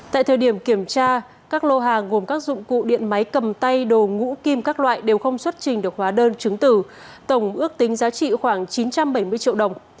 tại thời điểm kiểm tra các lô hàng gồm các dụng cụ điện máy cầm tay đồ ngũ kim các loại đều không xuất trình được hóa đơn chứng tử tổng ước tính giá trị khoảng chín trăm bảy mươi triệu đồng